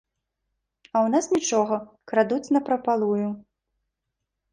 А ў нас нічога, крадуць напрапалую.